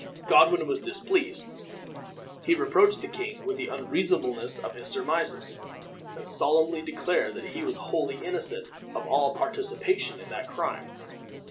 Godwin was displeased. He reproached the king with the unreasonableness of his surmises, and solemnly declared that he was wholly innocent of all participation in that crime.